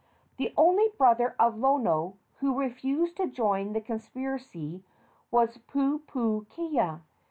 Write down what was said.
The only brother of Lono who refused to join in the conspiracy was Pupuakea.